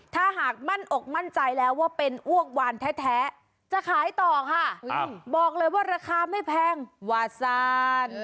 ถ้าหากมั่นอกมั่นใจแล้วว่าเป็นอ้วกวานแท้จะขายต่อค่ะบอกเลยว่าราคาไม่แพงวาซาน